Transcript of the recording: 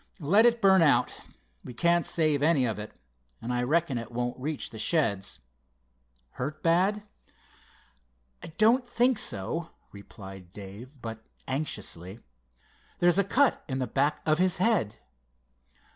Let it burn out, we can't save any of it, and I reckon it won't reach the sheds. Hurt bad?" "I don't think so," replied Dave, but anxiously. "There's a cut in the back of his head."